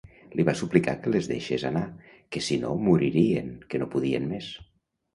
Li va suplicar que les deixes anar, que si no moririen, que no podien més.